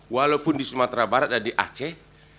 walaupun di sumatera barat dan di aceh